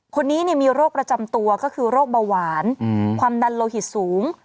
คนนี้มีโรคประจำตัวก็คือโรคเบาหวานความดันโลหิตสูง